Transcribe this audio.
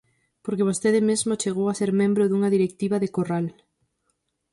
Porque vostede mesmo chegou a ser membro dunha directiva de Corral.